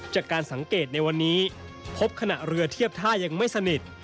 จากการสังเกตในวันนี้พบขณะเรือเทียบท่ายังไม่สนิท